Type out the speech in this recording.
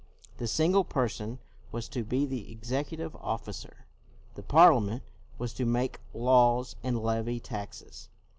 The Single Person was to be the executive officer, the Parliament was to make laws and levy taxes.